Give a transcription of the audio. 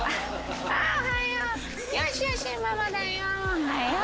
おはよう。